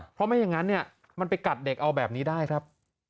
เพราะไม่อย่างนั้นเนี่ยมันไปกัดเด็กเอาแบบนี้ได้ครับ